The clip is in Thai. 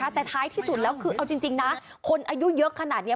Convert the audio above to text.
แต่ท้ายที่สุดแล้วคือเอาจริงนะคนอายุเยอะขนาดนี้